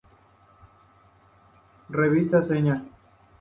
Revista Seña.